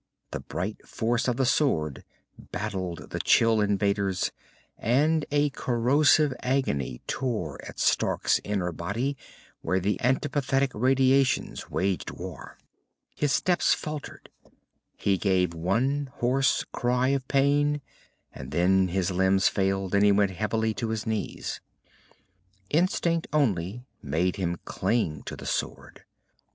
The bright force of the sword battled the chill invaders, and a corrosive agony tore at Stark's inner body where the antipathetic radiations waged war. His steps faltered. He gave one hoarse cry of pain, and then his limbs failed and he went heavily to his knees. Instinct only made him cling to the sword.